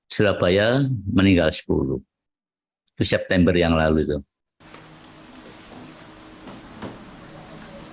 surabaya meninggal sepuluh di september yang lalu itu dikutip dari situs resmi bpom ri hasil sampling